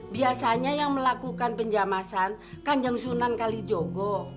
biasanya yang melakukan penjamasan kanjeng sunan kalijogo